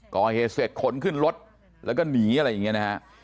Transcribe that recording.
ก่อเหตุเสร็จขนขึ้นรถแล้วก็หนีอะไรอย่างนี้นะฮะ